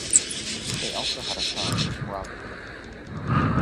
They also had a son, Robert.